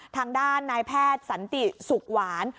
ทางด้านนายแพทย์สันติสุขหวาน